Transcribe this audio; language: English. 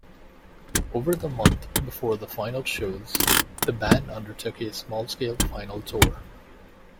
Over the month before the final shows, the band undertook a small-scale final tour.